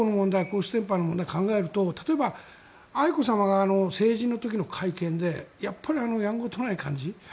皇室典範の問題を考えると例えば、愛子さまが成人の時の会見でやっぱり、やんごとない感じ。